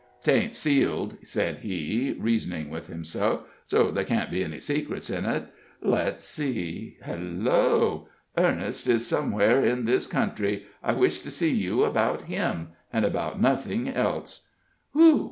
"'Tain't sealed," said he, reasoning with himself, "so there can't be any secrets in it. Let's see hello! 'Ernest is somewhere in this country; I wish to see you about him and about nothing else.' Whew w w!